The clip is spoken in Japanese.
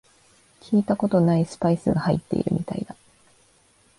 聞いたことないスパイスが入ってるみたいだ